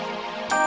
jangan won jangan